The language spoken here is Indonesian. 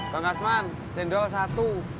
bang kasman cendol satu